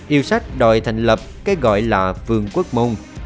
yêu sách đòi thành lập cái gọi là vườn quốc mông